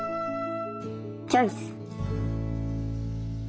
チョイス！